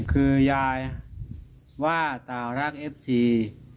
คือยายว่าตาร่างเอฟซี